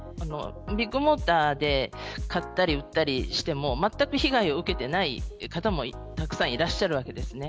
ビッグモーターで買ったり売ったりしても全く被害を受けていない方もたくさんいらっしゃるわけですね。